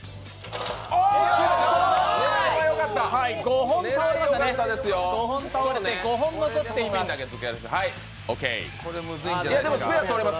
５本倒れて５本残っています。